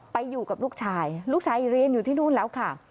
อยู่กับลูกชายลูกชายเรียนอยู่ที่นู่นแล้วค่ะ